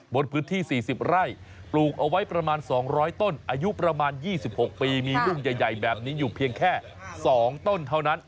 บนพื้นที่สี่สิบไร่ปลูกเอาไว้ประมาณสองร้อยต้นอายุประมาณยี่สิบหกปีมีลูกใหญ่ใหญ่แบบนี้อยู่เพียงแค่สองต้นเท่านั้น